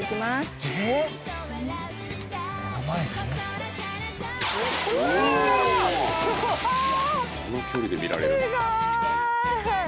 あすごい。